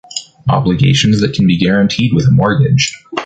Obligations that can be guaranteed with a mortgage.